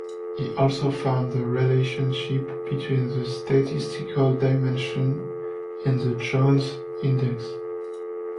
He also found the relationship between the statistical dimension and the Jones index.